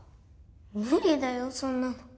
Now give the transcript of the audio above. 無理だよ、そんな。